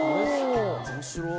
面白い！